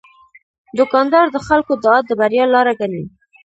دوکاندار د خلکو دعا د بریا لاره ګڼي.